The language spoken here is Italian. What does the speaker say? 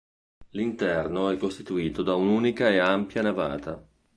L'interno è costituito da un'unica e ampia navata.